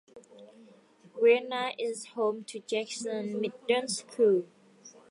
Vienna is home to Jackson Middle School.